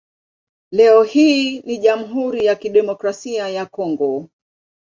Leo hii ni Jamhuri ya Kidemokrasia ya Kongo.